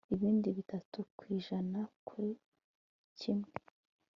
ibindi ,bitatu kw'ijana turi kimwe